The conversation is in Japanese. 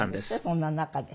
そんな中で。